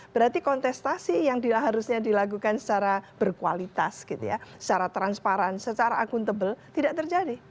berarti kontestasi yang harusnya dilakukan secara berkualitas secara transparan secara akuntabel tidak terjadi